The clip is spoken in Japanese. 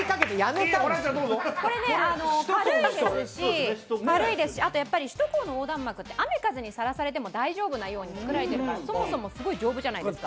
これ軽いですし、首都高の横断幕って雨・風にさらされても大丈夫なように作られているから、そもそもすごい丈夫じゃないですか。